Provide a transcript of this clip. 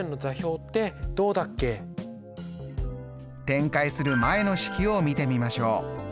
展開する前の式を見てみましょう。